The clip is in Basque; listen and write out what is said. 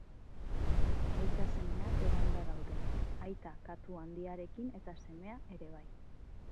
Aita-semeak edanda daude: aita katu handiarekin eta semea ere bai.